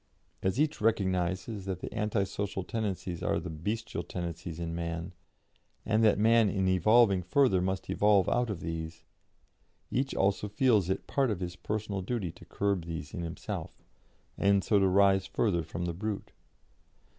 As each recognises that the anti social tendencies are the bestial tendencies in man, and that man in evolving further must evolve out of these, each also feels it part of his personal duty to curb these in himself, and so to rise further from the brute.